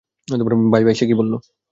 Bye-bye - সে কি বললো?